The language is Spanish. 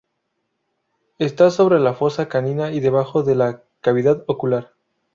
Está sobre la fosa canina y debajo de la cavidad ocular.